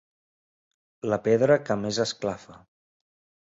La pedra que més esclafa.